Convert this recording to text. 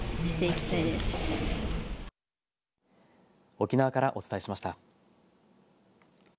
沖縄からお伝えしました。